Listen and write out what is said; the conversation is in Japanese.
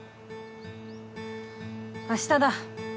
明日だ。